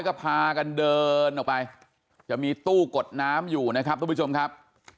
ก็พากันเดินออกไปจะมีตู้กดน้ำอยู่นะครับทุกผู้ชมครับ